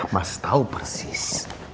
mas tau persis